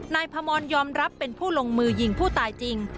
นายพมรยอมรับเป็นผู้ลงมือยิงผู้ตายจริง